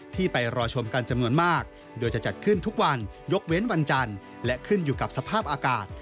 ที่เป็นวันจันทร์และขึ้นอยู่กับสภาพอากาศ